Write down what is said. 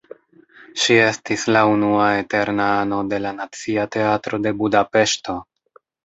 Ŝi estis la unua "eterna ano" de la Nacia Teatro de Budapeŝto.